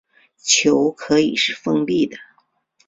球可以是封闭的。